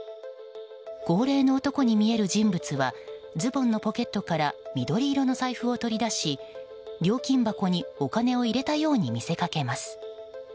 高齢の男に見える人物はズボンのポケットから緑色の財布を取り出し料金箱にお金を入れたように見せかけます。